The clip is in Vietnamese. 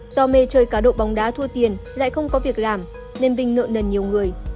do mê chơi cá độ bóng đá thu tiền lại không có việc làm nên vinh nợ nần nhiều người